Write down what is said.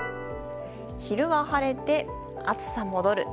昼は晴れて、暑さ戻る。